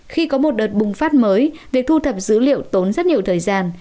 khi có một đợt bùng phát mới việc thu thập dữ liệu tốn rất nhiều thời gian